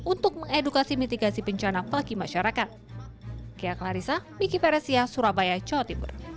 untuk mengedukasi mitigasi bencana bagi masyarakat